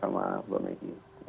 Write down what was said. terima kasih pak maaf